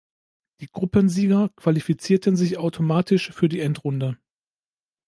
Die Gruppensieger qualifizierten sich automatisch für die Endrunde.